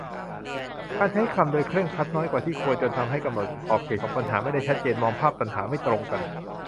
การใช้คำโดยเคร่งครัดน้อยกว่าที่ควร จนทำให้กำหนดขอบเขตของปัญหาไม่ได้ชัดเจน-มองภาพปัญหาไม่ตรงกัน